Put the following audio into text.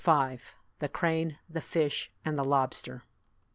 35 THE CRANE, THE FISH, AND THE LOBSTER.